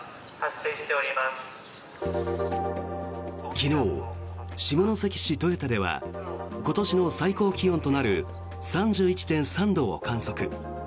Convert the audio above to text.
昨日、下関市豊田では今年の最高気温となる３１．３度を観測。